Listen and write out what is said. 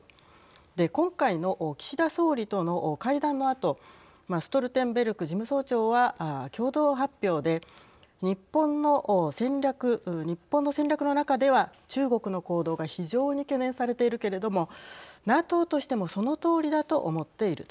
で、今回の岸田総理との会談のあとストルテンベルグ事務総長は共同発表で日本の戦略の中では中国の行動が非常に懸念されているけれどもＮＡＴＯとしてもそのとおりだと思っていると。